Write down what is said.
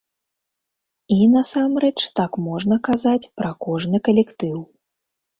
І, насамрэч, так можна казаць пра кожны калектыў.